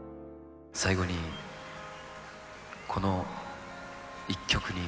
最後にこの一曲に。